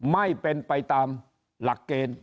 ไม่เป็นไปตามหลักเกณฑ์